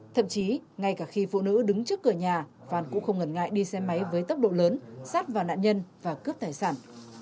thậm chí ngay cả khi phụ nữ đứng trước cửa nhà phan cũng không ngần ngại đi xe máy với tốc độ lớn sát vào nạn nhân và cướp tài sản